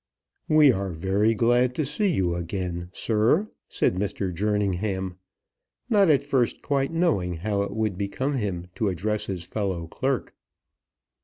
"We are very glad to see you again, sir," said Mr. Jerningham; not at first quite knowing how it would become him to address his fellow clerk.